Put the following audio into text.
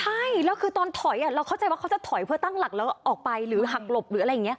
ใช่แล้วคือตอนถอยเราเข้าใจว่าเขาจะถอยเพื่อตั้งหลักแล้วออกไปหรือหักหลบหรืออะไรอย่างนี้